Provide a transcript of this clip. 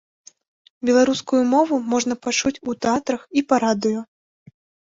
Беларускую мову можна пачуць у тэатрах і па радыё.